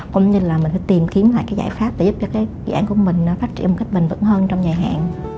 cũng như là mình phải tìm kiếm lại cái giải pháp để giúp cho cái dự án của mình phát triển một cách bình thường hơn trong dài hạn